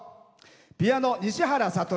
ピアノ、西原悟。